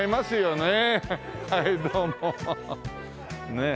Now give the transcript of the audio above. ねえ。